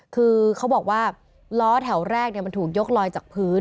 คือเขาบอกว่าล้อแถวแรกมันถูกยกลอยจากพื้น